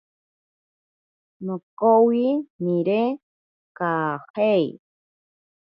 Nokowi nire kajae.